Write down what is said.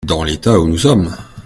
Dans l’état où nous sommes.